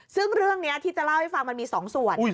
ซึ่งเรื่องนี้ที่จะเล่าให้ฟังมันมี๒ส่วน